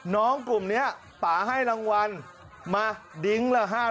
กลุ่มนี้ป่าให้รางวัลมาดิ้งละ๕๐๐